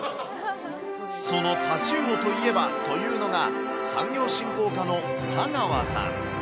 その太刀魚といえばというのが、産業振興課の田川さん。